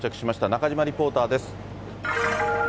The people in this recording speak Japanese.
中島リポーターです。